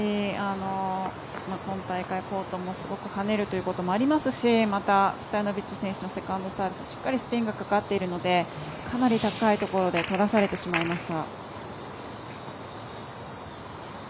今大会、コートもすごく跳ねるということもありますしまたストヤノビッチ選手のセカンドサービスしっかりスピンがかかっているのでかなり高いところでとらされてしまいました。